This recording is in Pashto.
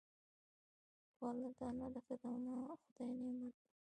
غله دانه د خدای نعمت دی.